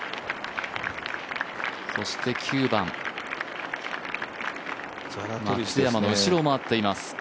そして９番、松山の後ろを回っています。